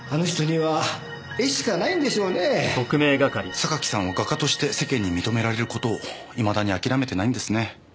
榊さんは画家として世間に認められることをいまだに諦めてないんですね。